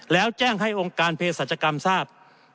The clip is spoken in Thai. แล้วแจ้งให้องค์การเพศรัชกรรมทราบ